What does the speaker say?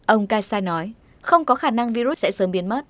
ông kassai nói không có khả năng virus sẽ sớm biến mất